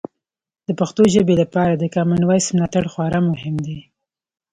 د پښتو ژبې لپاره د کامن وایس ملاتړ خورا مهم دی.